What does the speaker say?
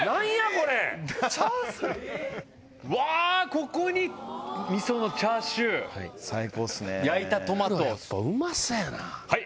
これわぁここに味噌のチャーシューはい最高っすねぇ焼いたトマトやっぱうまそうやなはい！